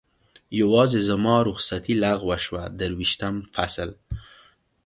یوازې زما رخصتي لغوه شوه، درویشتم فصل.